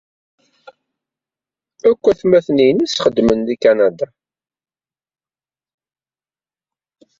Akk aytmaten-nnes xeddmen deg Kanada.